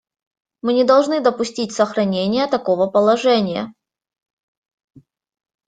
Мы не должны допустить сохранения такого положения.